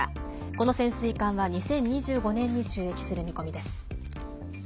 この潜水艦は２０２５年に就役する見込みです。